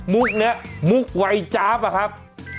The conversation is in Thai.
มุกนี้มุกวัยจาบอะครับ